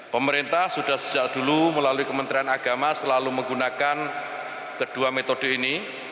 pemerintah sudah sejak dulu melalui kementerian agama selalu menggunakan kedua metode ini